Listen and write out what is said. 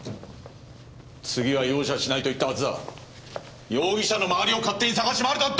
次は容赦しないと言ったはずだ！容疑者の周りを勝手に捜し回るとはどういう事だ！